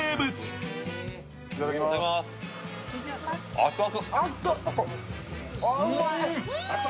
熱々。